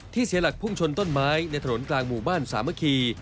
เสียหลักพุ่งชนต้นไม้ในถนนกลางหมู่บ้านสามัคคี